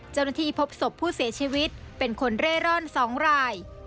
เจ้าหน้าที่พบศพผู้เสียชีวิตเป็นคนเร่ร่อน๒ราย